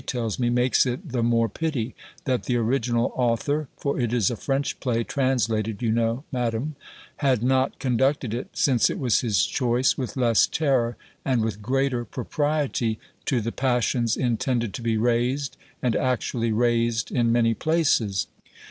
tells me, makes it the more pity, that the original author (for it is a French play, translated, you know, Madam), had not conducted it, since it was his choice, with less terror, and with greater propriety, to the passions intended to be raised, and actually raised in many places.